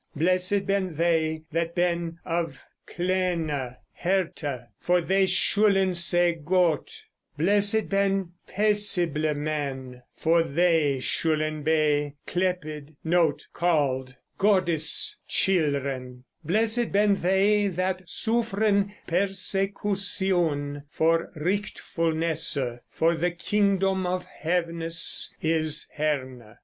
Blessid ben thei that ben of clene herte, for thei schulen se God. Blessid ben pesible men, for thei schulen be clepid Goddis children. Blessid ben thei that suffren persecusioun for rightfulnesse, for the kyngdom of hevenes is herne.